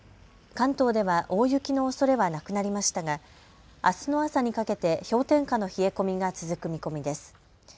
関東では大雪のおそれはなくなりましたがあすの朝にかけて氷点下の冷え込みが続く見込みです。